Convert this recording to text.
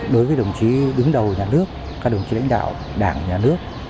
đối với đồng chí đứng đầu nhà nước các đồng chí lãnh đạo đảng nhà nước